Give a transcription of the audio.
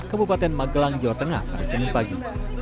kabupaten magelang jawa tengah pada senin pagi